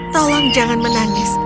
tolong jangan menangis